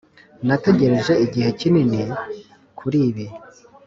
nategereje igihe kinini kuri ibi.